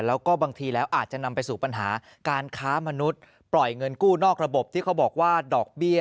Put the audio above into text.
แล้วก็บางทีแล้วอาจจะนำไปสู่ปัญหาการค้ามนุษย์ปล่อยเงินกู้นอกระบบที่เขาบอกว่าดอกเบี้ย